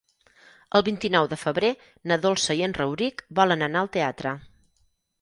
El vint-i-nou de febrer na Dolça i en Rauric volen anar al teatre.